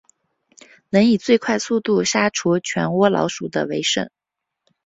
能以最快速度杀除全窝老鼠的为胜。